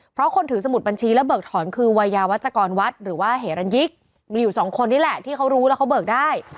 เพราะคนถือสมุดบัญชีแล้วเบิกถอนคือวัยยาวัชกรวัดหรือว่าเหรันยิกมีอยู่สองคนนี่แหละที่เขารู้แล้วเขาเบิกได้